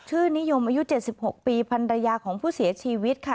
นิยมอายุ๗๖ปีพันรยาของผู้เสียชีวิตค่ะ